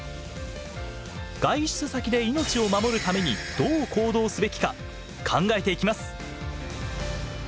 外出先で命を守るためにどう行動すべきか考えていきます。